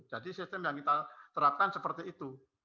jadi sistem yang kita terapkan seperti itu